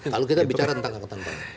kalau kita bicara tentang angkatan perang